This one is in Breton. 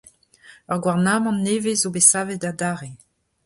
Ur gouarnamant nevez zo bet savet adarre.